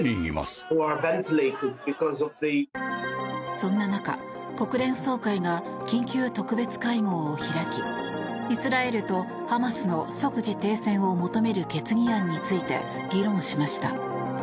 そんな中、国連総会が緊急特別会合を開きイスラエルとハマスの即時停戦を求める決議案について議論しました。